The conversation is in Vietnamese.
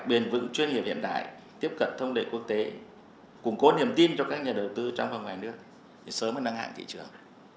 bền vững chuyên nghiệp hiện đại tiếp cận thông lệ quốc tế củng cố niềm tin cho các nhà đầu tư trong và ngoài nước để sớm nâng hạng thị trường